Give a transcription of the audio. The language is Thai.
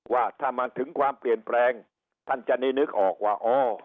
ว่าถ้ามาถึงความเปลี่ยนแปลงท่านจะได้นึกออกว่าอ๋อ